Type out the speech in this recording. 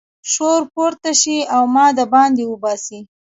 شور پورته شي او ما د باندې وباسي.